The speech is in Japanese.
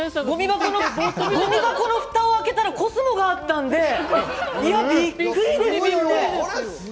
ごみ箱のふたを開けたらコスモがあったんで。